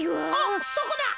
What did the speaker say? おっそこだ。